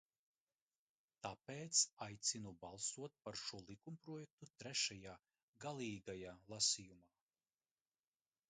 Tāpēc aicinu balsot par šo likumprojektu trešajā, galīgajā, lasījumā.